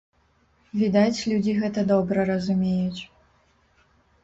Відаць, людзі гэта добра разумеюць.